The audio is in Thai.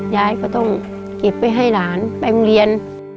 ยายก็ต้องเก็บไปให้หลานไปโรงเรียน